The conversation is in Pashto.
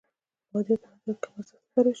مادیات په نظر کې کم ارزښته ښکاره شي.